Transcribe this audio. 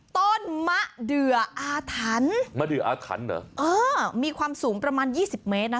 ต้นมะเดืออาถรรพ์มะเดืออาถรรพ์เหรอเออมีความสูงประมาณยี่สิบเมตรนะคะ